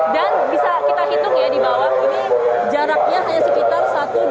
dan bisa kita hitung ya di bawah ini jaraknya hanya sekitar satu dua tiga empat lima